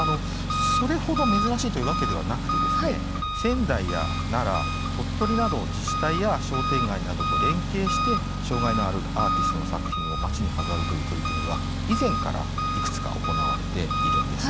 それ程珍しいというわけではなくて仙台や奈良、鳥取など自治体や商店街などと連携して障害のあるアーティストの作品を街に飾るという取り組みは以前からいくつか行われているんです。